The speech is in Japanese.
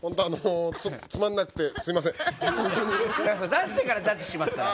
出してからジャッジしますから。